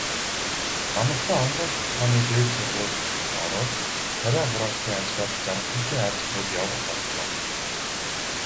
Намартаа Анагаах ухааны дээд сургуульд ороод, тариа хураалтын ажлаар Жаргалантын аж ахуйд явах боллоо.